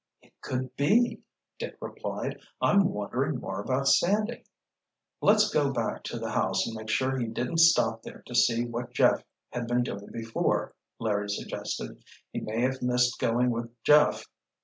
"It could be," Dick replied. "I'm wondering more about Sandy." "Let's go back to the house and make sure he didn't stop there to see what Jeff had been doing before," Larry suggested. "He may have missed going with Jeff.